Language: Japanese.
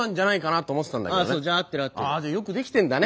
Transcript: ああじゃよくできてんだね。